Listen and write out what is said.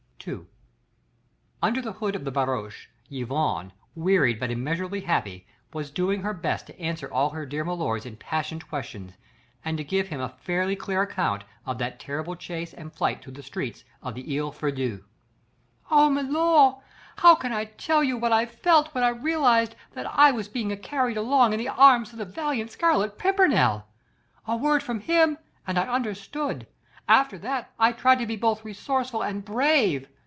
II Under the hood of the barouche Yvonne, wearied but immeasurably happy, was doing her best to answer all her dear milor's impassioned questions and to give him a fairly clear account of that terrible chase and flight through the streets of the Isle Feydeau. "Ah, milor, how can I tell you what I felt when I realised that I was being carried along in the arms of the valiant Scarlet Pimpernel? A word from him and I understood. After that I tried to be both resourceful and brave.